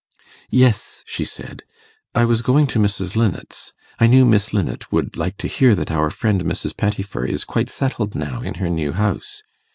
'Yes,' she said, 'I was going to Mrs. Linnet's. I knew Miss Linnet would like to hear that our friend Mrs. Pettifer is quite settled now in her new house.